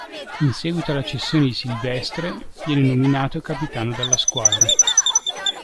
In seguito alla cessione di Silvestre viene nominato capitano della squadra.